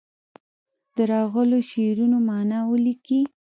د راغلو شعرونو معنا ولیکي.